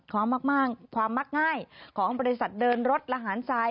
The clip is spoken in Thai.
พร้อมมากความมักง่ายของบริษัทเดินรถระหารทราย